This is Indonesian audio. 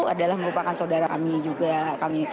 adalah merupakan saudara kami juga kami